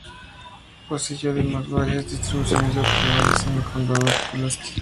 Poseyó, además, varias distribuidoras de automóviles en el Condado de Pulaski.